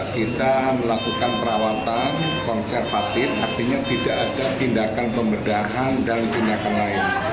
kita melakukan perawatan konservatif artinya tidak ada tindakan pembedahan dan tindakan lain